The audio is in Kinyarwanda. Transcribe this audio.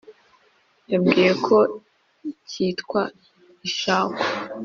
yambwiye ko kitwa ishakwe.